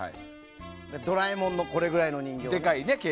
ドラえもんのこれくらいの人形。